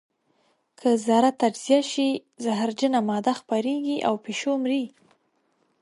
که ذره تجزیه شي زهرجنه ماده خپرېږي او پیشو مري.